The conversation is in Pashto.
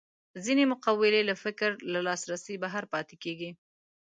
ځینې مقولې له فکر لاسرسي بهر پاتې کېږي